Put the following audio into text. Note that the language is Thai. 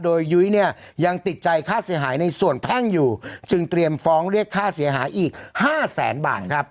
โดยยุ้ยเนี่ยยังติดใจค่าเสียหายในส่วนแพ่งอยู่จึงเตรียมฟ้องเรียกค่าเสียหายอีก๕แสนบาทครับ